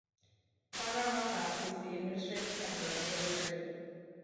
Tanah Rata is the administrative centre of the retreat.